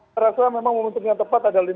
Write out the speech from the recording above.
nah rasanya memang momen penting yang tepat adalah